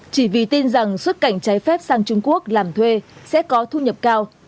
chỉ vì tin rằng xuất cảnh trái phép sang trung quốc làm thuê sẽ có thu nhập cao